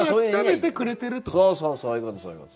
そうそうそういうことそういうこと。